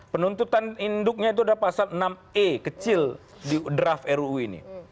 penuntutan induknya itu ada pasal enam e kecil di draft ruu ini